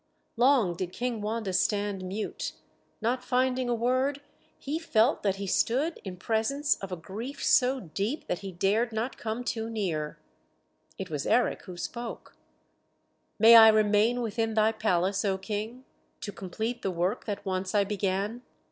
Long did King Wanda stand mute, not finding a word; he felt that he stood in presence of a grief so deep that he dared not come too near. It was Eric who spoke: "May I remain within thy palace, O King, to complete the work that once I began?